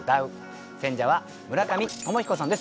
選者は村上鞆彦さんです。